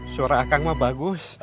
suara akang mah bagus